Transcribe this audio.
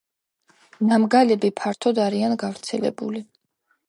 ნამგალები ფართოდ არიან გავრცელებული.